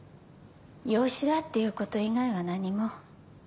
養子だっていうこと以外は何も。